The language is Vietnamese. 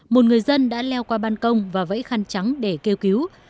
một người dân đã leo qua ban công và vẫy khăn trắng để kêu cứu